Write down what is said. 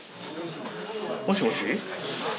もしもし？